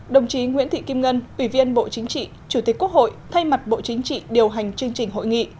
đồng chí nguyễn thị kim ngân ủy viên bộ chính trị chủ tịch quốc hội thay mặt bộ chính trị điều hành chương trình hội nghị